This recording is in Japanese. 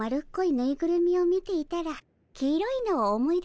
ぬいぐるみを見ていたら黄色いのを思い出したでおじゃる。